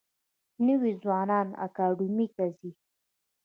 نوي ځوانان اکاډمیو ته ځي.